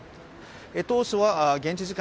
当初は現地時間